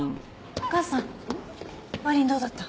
お母さんマリンどうだった？